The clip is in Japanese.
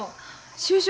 就職